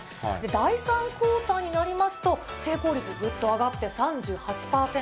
第３クオーターになりますと、成功率、ぐっと上がって３８％。